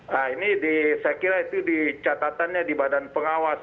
nah ini saya kira itu di catatannya di badan pengawas